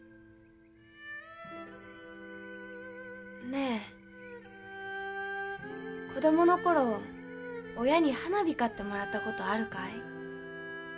ねえ子供の頃親に花火買ってもらった事あるかい？